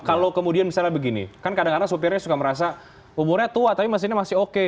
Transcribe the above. kalau kemudian misalnya begini kan kadang kadang sopirnya suka merasa umurnya tua tapi mesinnya masih oke